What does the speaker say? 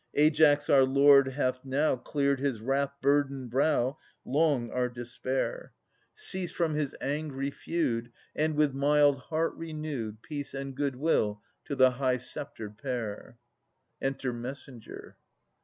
Aias our lord hath now Cleared his wrath burdened brow Long our despair. 78 At'as [716 745 Ceased from his angry feud And with mild heart renewed Peace and goodwill to the high sceptred pair. Enter Messenger.